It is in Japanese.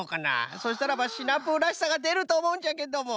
そしたらばシナプーらしさがでるとおもうんじゃけども。